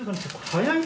はい。